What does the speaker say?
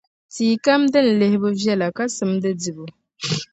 tia kam din lihibu viɛla ka simdi dibu.